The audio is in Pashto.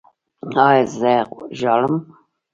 ایا زه ژاړم؟